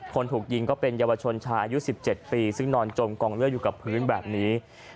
คนถูกยิงก็เป็นเยาวชนชายอายุ๑๗ปีซึ่งนอนจมกองเลือดอยู่กับพื้นแบบนี้